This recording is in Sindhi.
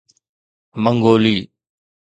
منگولي